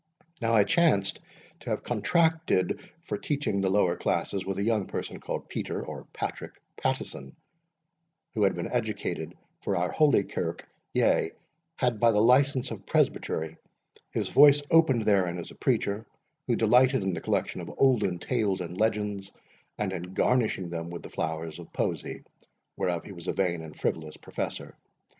Now I chanced to have contracted for teaching the lower classes with a young person called Peter, or Patrick, Pattieson, who had been educated for our Holy Kirk, yea, had, by the license of presbytery, his voice opened therein as a preacher, who delighted in the collection of olden tales and legends, and in garnishing them with the flowers of poesy, whereof he was a vain and frivolous professor.